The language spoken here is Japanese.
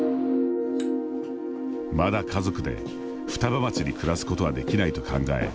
まだ家族で双葉町に暮らすことはできないと考え